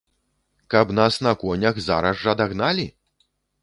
Каб нас на конях зараз жа дагналі?